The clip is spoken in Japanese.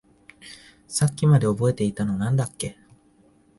さっきまで覚えていたのに何だっけ？